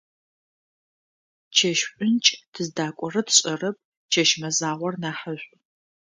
Чэщ шӀункӀ, тыздакӀорэр тшӀэрэп, чэщ мэзагъор нахьышӀу.